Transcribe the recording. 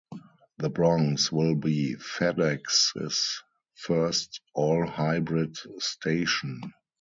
The Bronx will be FedEx's first all hybrid station.